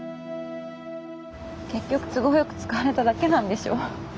結局都合よく使われただけなんでしょ。